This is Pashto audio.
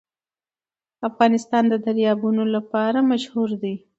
افغانستان د دریابونه لپاره مشهور دی.